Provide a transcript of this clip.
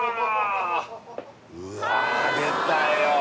うわ出たよ